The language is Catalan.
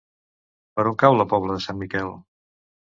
Per on cau la Pobla de Sant Miquel?